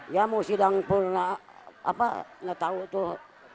ya mau sidang pulang apa gak tahu tuh